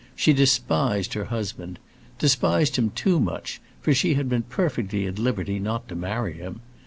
She despised her husband; despised him too much, for she had been perfectly at liberty not to marry him.